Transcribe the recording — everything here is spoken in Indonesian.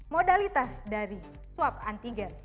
modalitas dari swap antigen